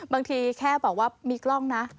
บางทีแค่บอกว่ามีกล้องนะ